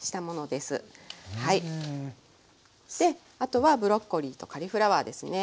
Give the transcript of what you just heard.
であとはブロッコリーとカリフラワーですね。